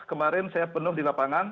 kemarin saya penuh di lapangan